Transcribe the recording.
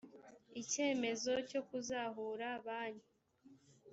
icyemezo cyo kuzahura banki